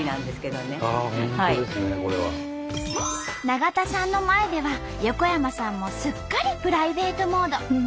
永田さんの前では横山さんもすっかりプライベートモード。